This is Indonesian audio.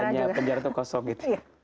hanya penjara itu kosong gitu